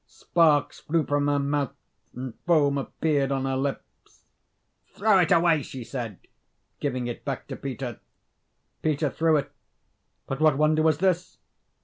Sparks flew from her mouth, and foam appeared on her lips. "Throw it away," she said, giving it back to Peter. Peter threw it, but what wonder was this?